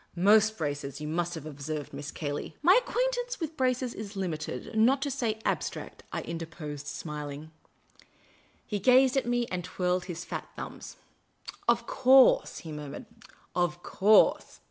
Most braces, you must have observed. Miss Cay ley "" My acquaintance with braces is limited, not to say ab stract," I interposed, smiling. He gazed at me, and twirled his fat thumbs. '* Of course," he murmured. " Of course.